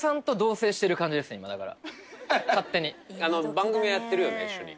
番組やってるよね一緒に。